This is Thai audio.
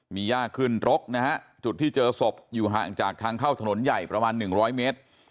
มีย่าขึ้นรกนะฮะจุดที่เจอศพอยู่ห่างจากทางเข้าถนนใหญ่ประมาณ๑๐๐เมตร